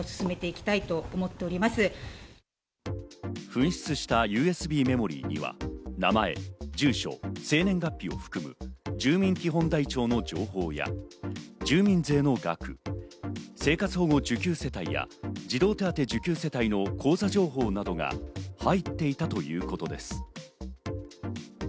紛失したＵＳＢメモリーには名前、住所、生年月日を含む住民基本台帳の情報や、住民税の額、生活保護受給世帯や児童手当受給世帯の口座情報などが入っていたということです。